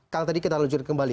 kalau tadi kita lanjut kembali